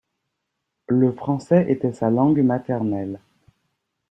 Le français était sa langue maternelle.